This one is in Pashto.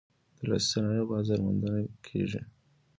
د لاسي صنایعو بازار موندنه کیږي؟